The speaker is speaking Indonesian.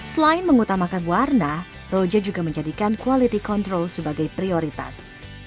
selain mengutamakan warna roja juga menjadikan quality control sebagai prioritas